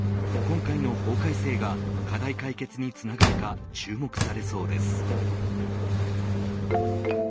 今回の法改正が課題解決につながるか注目されそうです。